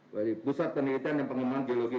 dari pusat penelitian dan pengembangan geologi